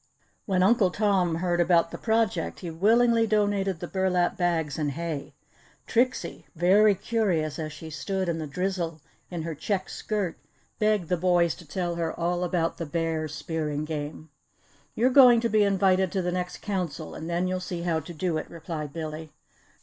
When Uncle Tom heard about the project he willingly donated the burlap bags and hay. Trixie, very curious as she stood in the drizzle in her checked skirt, begged the boys to tell her all about the bear spearing game. "You're going to be invited to the next Council and then you'll see how to do it," replied Billy.